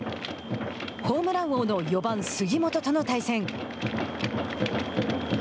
ホームラン王の４番・杉本との対戦。